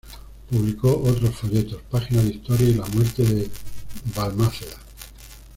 Publicó otros folletos: ""Páginas de historia"" y ""La muerte de Balmaceda"".